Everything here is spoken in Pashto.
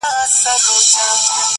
• په وينو لژنده اغيار وچاته څه وركوي.